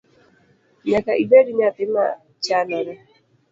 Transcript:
Nyaka ibed nyathi mo chanore.